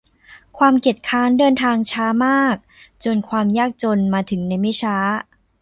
ความเกียจคร้านเดินทางช้ามากจนความยากจนมาถึงในไม่ช้า